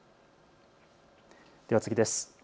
では次です。